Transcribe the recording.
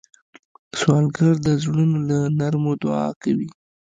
سوالګر د زړونو له نرمو دعا کوي